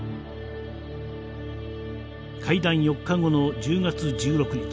会談４日後の１０月１６日。